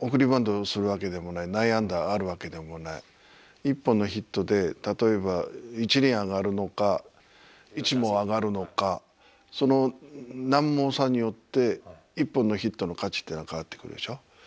送りバントをするわけでもない内野安打があるわけでもない１本のヒットで例えば１厘上がるのか１毛上がるのかその何毛差によって１本のヒットの価値っていうのは変わってくるでしょ。